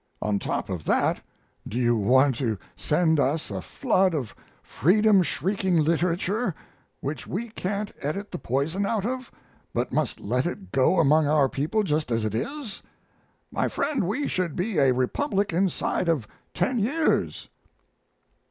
On top of that, do you want to send us a flood of freedom shrieking literature which we can't edit the poison out of, but must let it go among our people just as it is? My friend, we should be a republic inside of ten years.